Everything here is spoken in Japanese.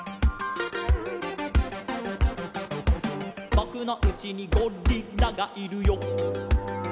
「ぼくのうちにゴリラがいるよ」